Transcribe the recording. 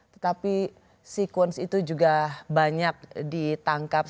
tetapi sekuens itu juga banyak ditangani